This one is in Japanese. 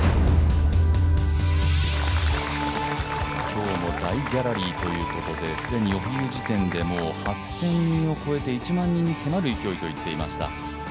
今日も大ギャラリーということで既に８０００人を超えて１万人に迫る勢いと言っていました。